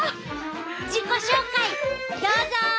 自己紹介どうぞ！